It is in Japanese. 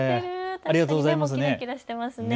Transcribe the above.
ありがとうございます。